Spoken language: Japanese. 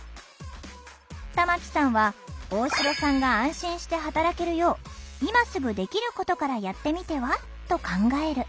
玉木さんは「大城さんが安心して働けるよう今すぐできることからやってみては？」と考える。